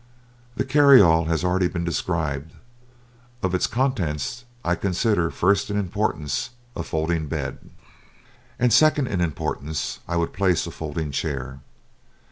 The carry all has already been described. Of its contents, I consider first in importance the folding bed. And second in importance I would place a folding chair.